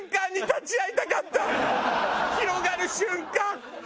広がる瞬間！